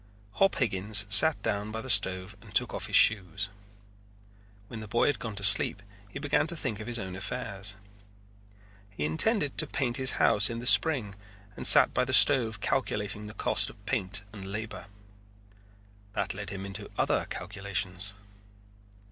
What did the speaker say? Hop Higgins sat down by the stove and took off his shoes. When the boy had gone to sleep he began to think of his own affairs. He intended to paint his house in the spring and sat by the stove calculating the cost of paint and labor. That led him into other calculations.